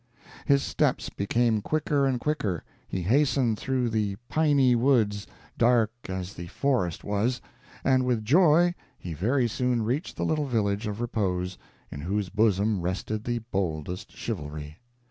His steps became quicker and quicker he hastened through the piny woods, dark as the forest was, and with joy he very soon reached the little village of repose, in whose bosom rested the boldest chivalry.